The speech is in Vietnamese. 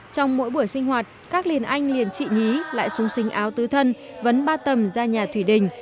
trong mỗi buổi sinh hoạt các liền anh liền chị nhí lại sung sinh áo tư thân vấn ba tầm ra nhà thủy đình